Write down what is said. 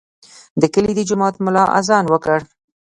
د کلي د جومات ملا اذان وکړ.